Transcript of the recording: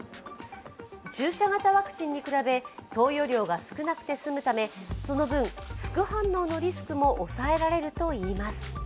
注射型ワクチンに比べ投与量が少なくて済むためその分、副反応のリスクも抑えられるといいます。